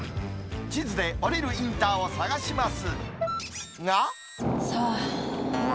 地図で降りるインターを探します。